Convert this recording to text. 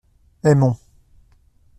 Aimons.